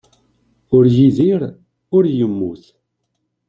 Ur yeddir ur yemmut.